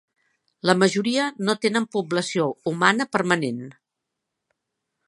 La majoria no tenen població humana permanent.